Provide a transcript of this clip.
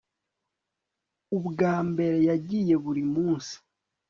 ubwa mbere yagiye buri munsi